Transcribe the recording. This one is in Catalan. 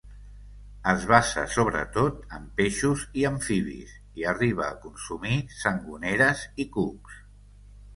Es basa sobretot en peixos i amfibis, i arriba a consumir sangoneres i cucs.